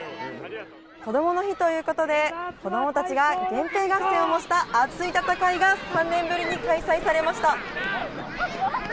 こどもの日ということで子供たちが源平合戦を模した熱い戦いが３年ぶりに開催されました。